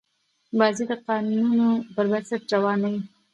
بازي د قانونونو پر بنسټ روانه يي.